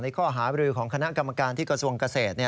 ข้อหาบรือของคณะกรรมการที่กระทรวงเกษตร